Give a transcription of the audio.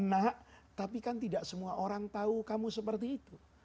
nak tapi kan tidak semua orang tahu kamu seperti itu